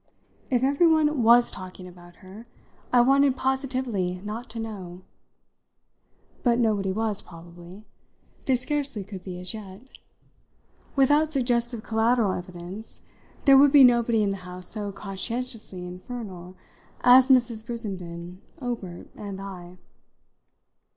If everyone was talking about her, I wanted positively not to know. But nobody was, probably they scarcely could be as yet. Without suggestive collateral evidence there would be nobody in the house so conscientiously infernal as Mrs. Brissenden, Obert and I.